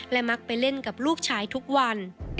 มักไปเล่นกับลูกชายทุกวัน